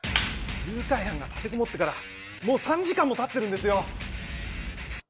誘拐犯が立てこもってからもう３時間も経ってるんですよ！